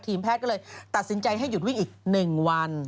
แพทย์ก็เลยตัดสินใจให้หยุดวิ่งอีก๑วัน